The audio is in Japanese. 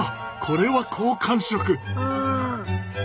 これは好感触！